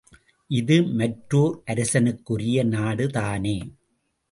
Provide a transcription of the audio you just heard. இது மற்றோர் அரசனுக்குரிய நாடு தானே!